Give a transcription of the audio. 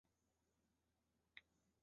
南起拉法叶。